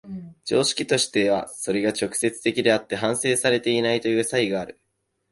常識としてはそれが直接的であって反省されていないという差異がある。